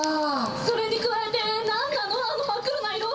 それに加えて何なの、あの真っ黒な色。